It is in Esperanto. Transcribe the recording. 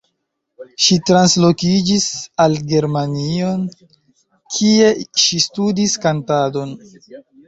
Ŝi translokiĝis al Germanio, kie ŝi studis kantadon.